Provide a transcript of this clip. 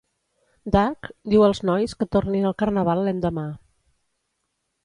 Dark diu als nois que tornin al carnaval l'endemà.